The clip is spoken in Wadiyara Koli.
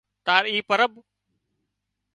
تار اي پرٻ